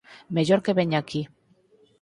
Mellor que veña aquí.